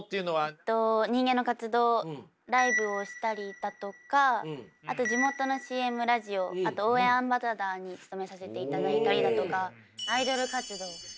えっと「人間の活動」ライブをしたりだとかあと地元のＣＭラジオあと応援アンバサダーに務めさせていただいたりだとかアイドル活動。